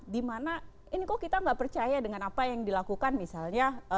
dimana ini kok kita nggak percaya dengan apa yang dilakukan misalnya